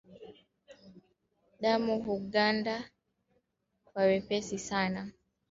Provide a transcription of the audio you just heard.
Damu huganda kwa wepesi sana kwa mnyama aliyekufa kwa ugonjwa wa chambavu